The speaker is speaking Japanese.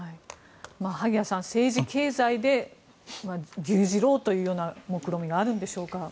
萩谷さん政治・経済で牛耳ろうというもくろみがあるんでしょうか。